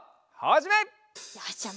よしじゃあ